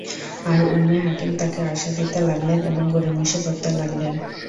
আর উম্মে হাকীম তাকে আশা দিতে লাগলেন এবং গড়িমসি করতে লাগলেন।